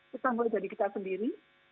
kita mulai dari kita sendiri